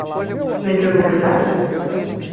Já entregou o projeto?